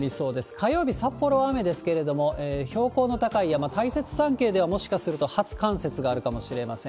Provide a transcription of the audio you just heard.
火曜日、札幌は雨ですけれども、標高の高い山、大雪山系ではもしかすると初冠雪があるかもしれません。